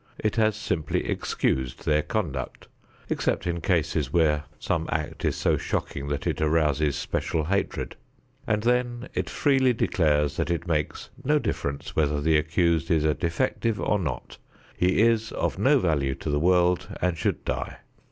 It has simply excused their conduct, except in cases where some act is so shocking that it arouses special hatred, and then it freely declares that it makes no difference whether the accused is a defective or not; he is of no value to the world and should die.